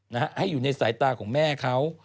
นะฮะให้อยู่ในสายตาของแม่เขา